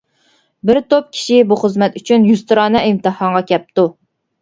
بىر توپ كىشى بۇ خىزمەت ئۈچۈن يۈزتۇرانە ئىمتىھانغا كەپتۇ.